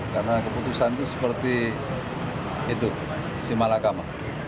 karena keputusan itu seperti itu simalakama